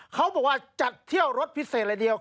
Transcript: เขาบอกว่าจัดเที่ยวรถพิเศษเลยเดียว